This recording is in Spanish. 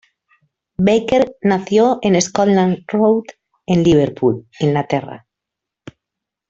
Baker nació en Scotland Road, en Liverpool, Inglaterra.